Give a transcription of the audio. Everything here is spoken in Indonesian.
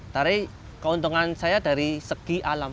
tapi keuntungan saya dari segi penyelamat